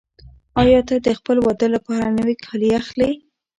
آیا ته د خپل واده لپاره نوي کالي اخلې؟